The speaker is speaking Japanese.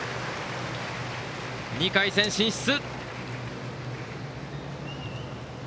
２回戦進出。